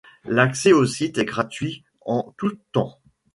L'accès au site est gratuit en tout temps.